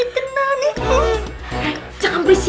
eh jangan berisik